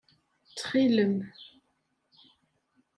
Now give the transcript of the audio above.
Ttxil-m!